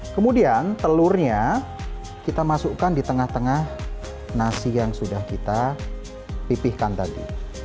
kemudian telurnya kita masukkan di tengah tengah nasi yang sudah kita pipihkan tadi